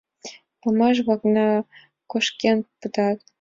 Памаш-влакна кошкен пытат.